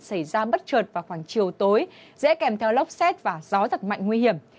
xảy ra bất chợt vào khoảng chiều tối dễ kèm theo lốc xét và gió giật mạnh nguy hiểm